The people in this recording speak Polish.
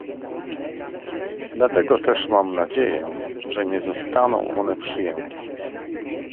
Dlatego też mam nadzieję, że nie zostaną one przyjęte